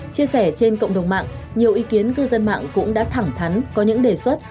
chia sẻ trên cộng đồng mạng nhiều ý kiến cư dân mạng cũng đã thẳng thắn có những đề xuất